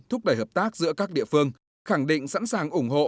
thúc đẩy hợp tác giữa các địa phương khẳng định sẵn sàng ủng hộ